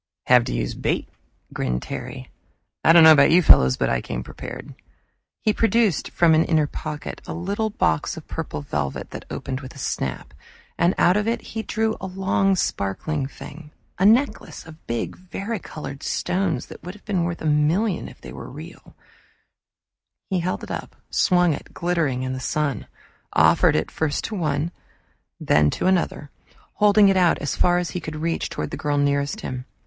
"Have to use bait," grinned Terry. "I don't know about you fellows, but I came prepared." He produced from an inner pocket a little box of purple velvet, that opened with a snap and out of it he drew a long sparkling thing, a necklace of big varicolored stones that would have been worth a million if real ones. He held it up, swung it, glittering in the sun, offered it first to one, then to another, holding it out as far as he could reach toward the girl nearest him.